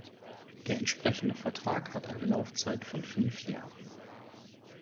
Der entsprechende Vertrag hat eine Laufzeit von fünf Jahren.